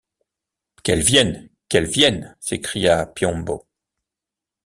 Qu’elle vienne! qu’elle vienne, s’écria Piombo.